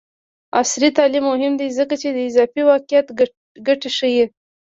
عصري تعلیم مهم دی ځکه چې د اضافي واقعیت ګټې ښيي.